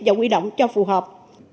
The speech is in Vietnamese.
và quy động cho phù hợp